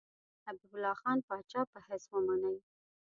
حبیب الله خان پاچا په حیث ومني.